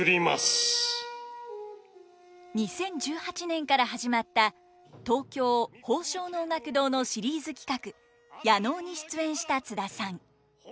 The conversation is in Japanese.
２０１８年から始まった東京宝生能楽堂のシリーズ企画夜能に出演した津田さん。